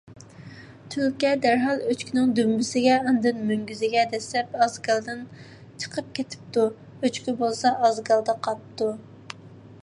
تۈلكە دەرھال ئۆچكىنىڭ دۈمبىسىگە، ئاندىن مۆڭگۈزىگە دەسسەپ ئازگالدىن چىقىپ كېتىپتۇ. ئۆچكە بولسا، ئازگالدا قاپتۇ.